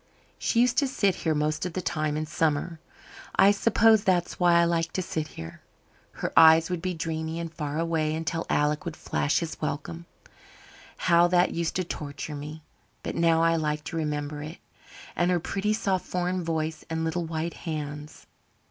"She used to sit here most of the time in summer. I suppose that's why I like to sit here. Her eyes would be dreamy and far away until Alec would flash his welcome. How that used to torture me! But now I like to remember it. And her pretty soft foreign voice and little white hands.